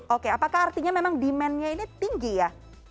oke apakah artinya memang demandnya ini tinggi ya